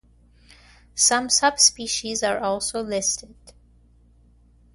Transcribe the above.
Some subspecies are also listed.